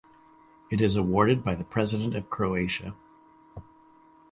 It is awarded by the President of Croatia.